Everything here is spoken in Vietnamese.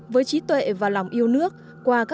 với trí tuệ và lòng yêu nước